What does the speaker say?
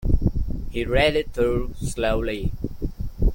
He read it through slowly.